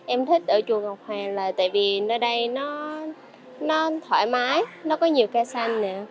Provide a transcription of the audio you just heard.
em thích ở chùa ngọc hoàng là tại vì nơi đây nó thoải mái nó có nhiều ca sanh nè